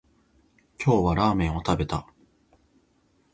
今日はラーメンを食べた